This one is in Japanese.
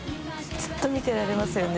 ずっと見てられますよね。